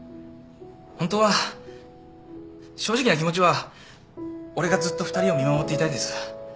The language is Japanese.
ホントは正直な気持ちは俺がずっと２人を見守っていたいです。